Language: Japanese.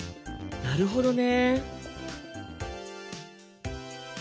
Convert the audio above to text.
なるほどね。